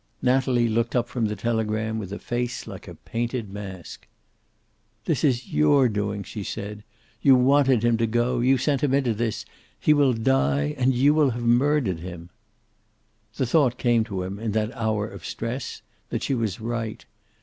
Natalie looked up from the telegram with a face like a painted mask. "This is your doing," she said. "You wanted him to go. You sent him into this. He will die, and you will have murdered him." The thought came to him, in that hour of stress, that she was right.